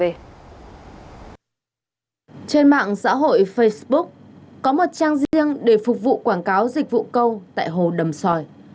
trên mạng xã hội facebook có một trang riêng để phục vụ quảng cáo dịch vụ câu tại hồ đầm sòi